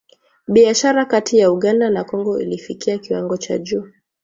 Biashara kati ya Uganda na Kongo ilifikia kiwango cha juu